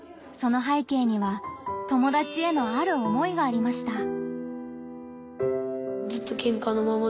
その背景には友達へのある思いがありました。